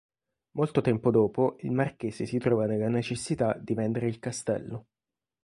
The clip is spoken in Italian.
Molto tempo dopo il marchese si trova nella necessità di vendere il castello.